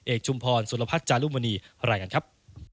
เอกชุมพรสุรพัชย์จารุมณีอะไรกันครับ